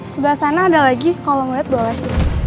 sebelah sana ada lagi kalau melihat boleh